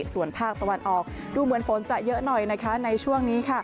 ส่วนภาคตะวันออกดูเหมือนฝนจะเยอะหน่อยในช่วงนี้